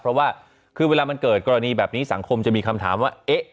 เพราะว่าคือเวลามันเกิดกรณีแบบนี้สังคมจะมีคำถามว่า